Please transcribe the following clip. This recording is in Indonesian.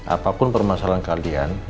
apapun permasalahan kalian